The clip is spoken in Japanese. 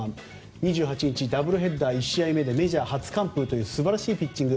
２８日ダブルヘッダー１試合目でメジャー初完封という素晴らしいピッチング。